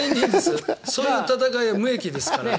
そういう戦いは無益ですから。